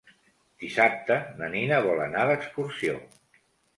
Dissabte na Nina vol anar d'excursió.